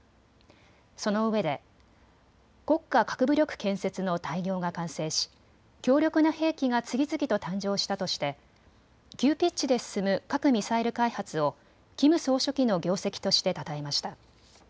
そのうえで国家核武力建設の大業が完成し強力な兵器が次々と誕生したとして急ピッチで進む核・ミサイル開発をキム総書記の業績としてたたえました。